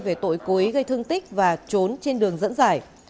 về tội cố ý gây thương tích và trốn trên đường dẫn giải